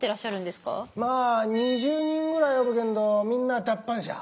まあ２０人ぐらいおるけんどみんな脱藩者。